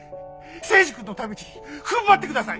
征二君のためにふんばってください！